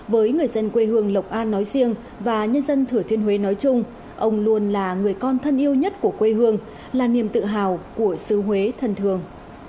với người dân quê hương lộc an nói riêng và nhân dân thừa thiên huế nói chung ông luôn là người con thân yêu nhất của quê hương là niềm tự hào của xứ huế thân thường